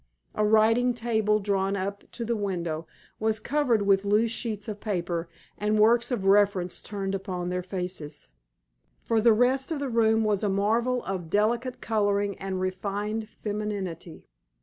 A writing table drawn up to the window was covered with loose sheets of paper and works of reference turned upon their faces. For the rest the room was a marvel of delicate coloring and refined femininity.